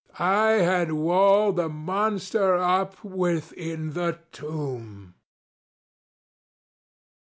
I had walled the monster up within the tomb!